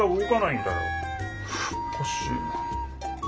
おかしいな。